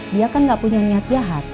dia kan gak punya niat jahat